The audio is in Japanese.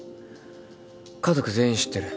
家族全員知ってる。